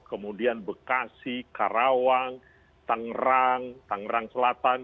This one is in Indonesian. kemudian bekasi karawang tangerang tangerang selatan